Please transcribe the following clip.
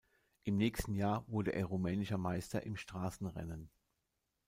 Im nächsten Jahr wurde er rumänischer Meister im Straßenrennen.